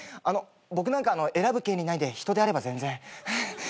僕なんか選ぶ権利ないんで人であれば全然。